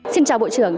xin chào bộ trưởng